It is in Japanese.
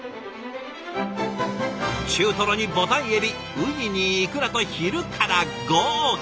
中トロにボタンエビウニにイクラと昼から豪華！